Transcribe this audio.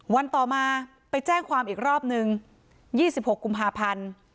วันต่อมาไปแจ้งความอีกรอบนึง๒๖กุมภาพันธ์